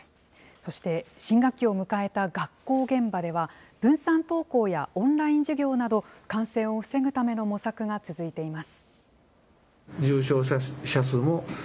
そして、新学期を迎えた学校現場では、分散登校やオンライン授業など、感染を防ぐための模索が続いています。